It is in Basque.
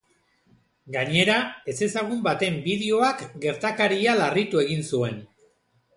Gainera, ezezagun baten bideoak gertakaria larritu egin zuen.